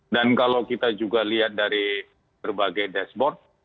kalau kita juga lihat dari berbagai dashboard